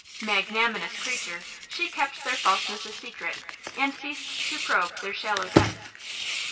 Magnanimous creature, she kept their falseness a secret, and ceased to probe their shallow depths.